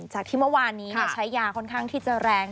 จากที่เมื่อวานนี้ใช้ยาค่อนข้างที่จะแรง